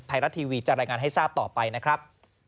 ไทยรัฐทีวีจะรายงานให้ทราบต่อไปนะครับ